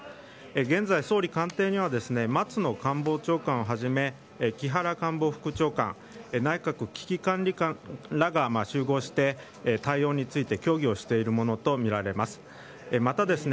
現在、総理官邸には松野官房長官をはじめ木原官房副長官内閣危機管理監らが集合して集合して、対応について協議しているものとみられます。